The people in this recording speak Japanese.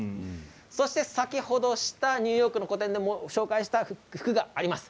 そして先ほどのニューヨークの個展でも紹介した服があります。